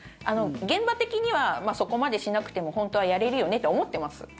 現場的にはそこまでしなくても本当はやれるよねと思ってます。